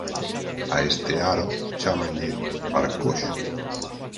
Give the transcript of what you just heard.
A este aro chámanlle "arcoxo".